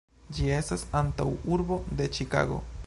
Ĝi estas antaŭurbo de Ĉikago.